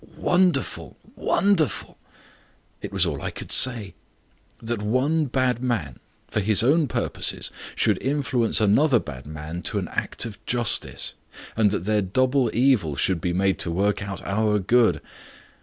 "Wonderful wonderful!" It was all I could say. That one bad man, for his own purposes, should influence another bad man to an act of justice and that their double evil should be made to work out our good!